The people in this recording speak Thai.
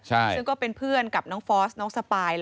ซึ่งก็เป็นเพื่อนกับน้องฟอสน้องสปาย